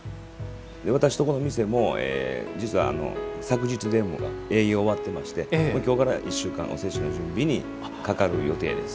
私のところの店も昨日に営業、終わってましてきょうから１週間おせちの準備にかかる予定です。